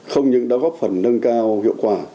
không những đã góp phần nâng cao hiệu quả